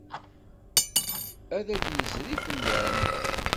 Ad d-yezri fell-am.